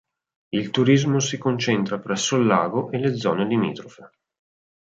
Il turismo si concentra presso il lago e le zone limitrofe.